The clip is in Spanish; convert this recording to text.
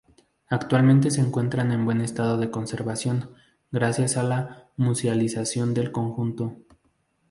Actualmente se encuentran en buen estado de conservación, gracias a la musealización del conjunto.